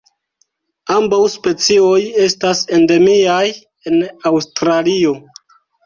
Ambaŭ specioj estas endemiaj en Aŭstralio.